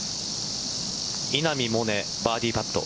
稲見萌寧バーディーパット。